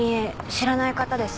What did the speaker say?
知らない方です。